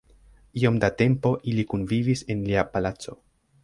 Iom da tempo ili kunvivis en lia palaco.